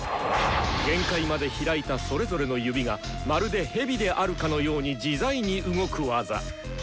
限界まで開いたそれぞれの指がまるで蛇であるかのように自在に動く技。